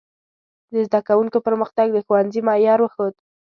د زده کوونکو پرمختګ د ښوونځي معیار وښود.